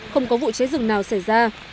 không có vụ chế rừng nào xảy ra